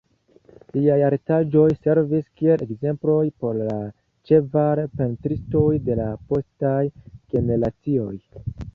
Liaj artaĵoj servis kiel ekzemploj por la ĉeval-pentristoj de la postaj generacioj.